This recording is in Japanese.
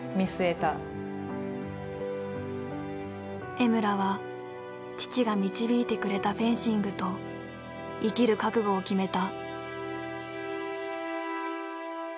江村は父が導いてくれたフェンシングと生きる覚悟を決めた。